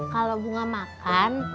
kalau bunga makan